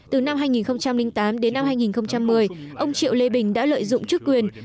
từ năm hai nghìn tám đến năm hai nghìn một mươi ông triệu lê bình đã lợi dụng chức quyền